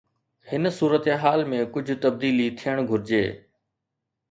هن صورتحال ۾ ڪجهه تبديلي ٿيڻ گهرجي.